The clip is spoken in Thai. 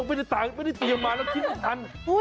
ไม่ได้เตรียมมาแล้วคิดไม่ทัน